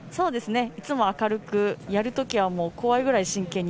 いつも明るくやるときは怖いくらい真剣に